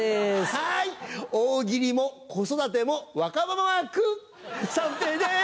はい「大喜利」も子育ても若葉マーク三平です。